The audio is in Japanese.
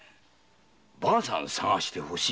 婆さん捜してほしい？